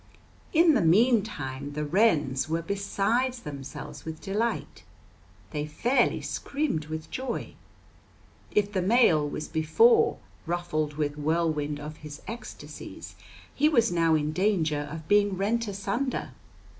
In the mean time the wrens were beside themselves with delight; they fairly screamed with joy. If the male was before "ruffled with whirlwind of his ecstasies," he was now in danger of being rent asunder.